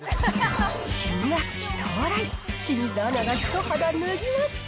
新学期到来、清水アナが一肌脱ぎます。